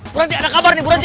berhenti ada kabar nih berhenti